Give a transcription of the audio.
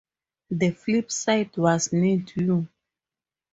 The flip side was Need You.